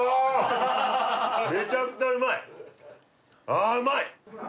ああうまい！